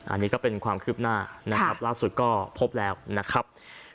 อันนี้ก็เป็นความคืบหน้านะครับล่าสุดก็พบแล้วนะครับ